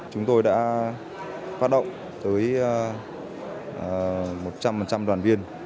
chúng tôi đã phát động tới một trăm linh đoàn viên